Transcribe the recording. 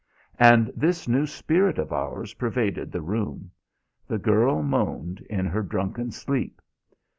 And this new spirit of ours pervaded the room. The girl moaned in her drunken sleep.